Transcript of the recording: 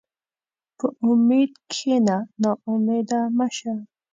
په امید کښېنه، ناامیده مه شه.